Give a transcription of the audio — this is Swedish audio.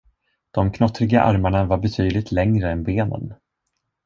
De knottriga armarna var betydligt längre än benen.